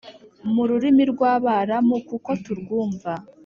mu rurimi rw’Abaramu kuko turwumva;